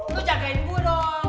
lo jagain gue dong